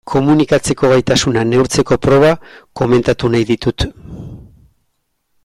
Komunikatzeko gaitasuna neurtzeko proba komentatu nahi ditut.